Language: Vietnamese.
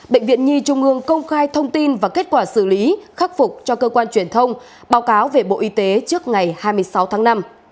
bệnh viện nhi trung ương công khai thông tin và kết quả xử lý khắc phục cho cơ quan truyền thông báo cáo về bộ y tế trước ngày hai mươi sáu tháng năm